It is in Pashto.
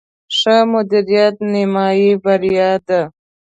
ښه مدیریت، نیمایي بریا ده